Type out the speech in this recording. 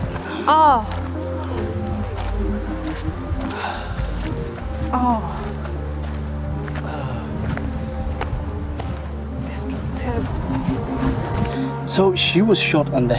trở lại trong tâm trí